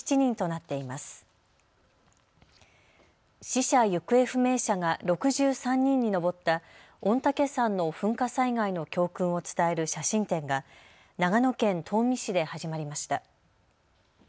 死者・行方不明者が６３人に上った御嶽山の噴火災害の教訓を伝える写真展が長野県東御市で始まりました。